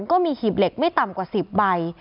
ก็มีหีบเหล็กไม่ต่ำกว่า๑๐ใบ